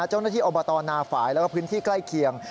เจ้าหน้าที่อบตนาฝ่ายแล้วก็พื้นที่ใกล้เคียง